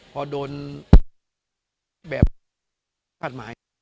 พอโดนแบบคาดหมาย